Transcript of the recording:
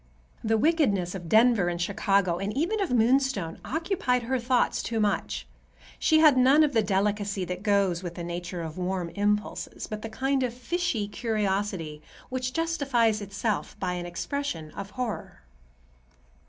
The wickedness of Denver and of Chicago, and even of Moonstone, occupied her thoughts too much. She had none of the delicacy that goes with a nature of warm impulses, but the kind of fishy curiosity which justifies itself by an expression of horror.